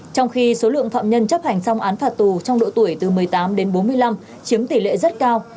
trong khi số lượng phạm nhân chấp hành xong án phạt tù trong độ tuổi từ một mươi tám đến bốn mươi năm chiếm tỷ lệ rất cao